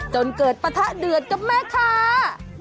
จนเกิดปะทะเดือดกับแม่ค้า